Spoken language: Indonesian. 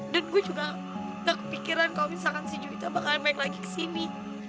dan gue juga gak kepikiran kalo misalkan si juwita bakalan balik lagi ke sini